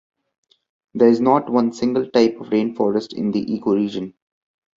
There is not one single type of rainforest in the ecoregion.